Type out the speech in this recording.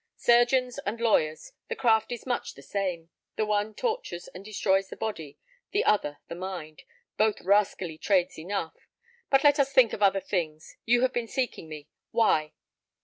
Surgeons and lawyers, the craft is much the same; the one tortures and destroys the body, the other the mind both rascally trades enough! But let us think of other things. You have been seeking me why?"